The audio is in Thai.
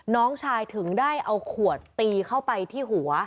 น้องชายถึงได้เอาขวดตีเข้าไปที่หัว